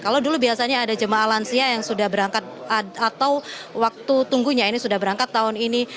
kalau dulu biasanya ada jemaah lansia yang sudah berangkat atau waktu tunggunya ini sudah berangkat tahun ini